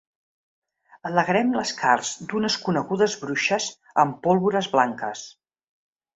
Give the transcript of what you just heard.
Alegrem les carns d'unes conegudes bruixes amb pólvores blanques.